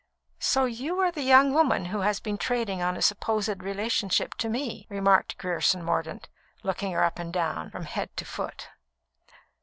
"So you are the young woman who has been trading on a supposed relationship to me?" remarked Grierson Mordaunt, looking her up and down from head to foot.